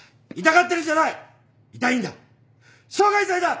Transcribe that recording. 傷害罪だ！